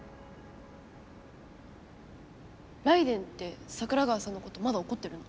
ライデェンって桜川さんのことまだおこってるの？